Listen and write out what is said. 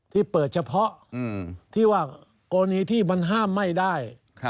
ที่เปิดเฉพาะที่ว่ากรณีที่มันห้ามไม่ได้